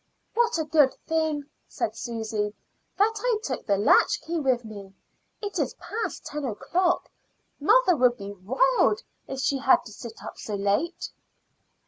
"What a good thing," said Susy, "that I took the latchkey with me! It is past ten o'clock. Mother would be wild if she had to sit up so late."